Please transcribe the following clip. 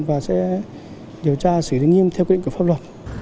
và sẽ điều tra xử lý nghiêm theo quy định của pháp luật